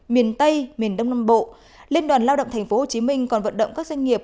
miền tây miền đông nam bộ liên đoàn lao động tp hcm còn vận động các doanh nghiệp